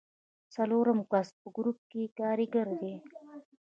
څلورم کس په ګروپ کې کاریګر دی.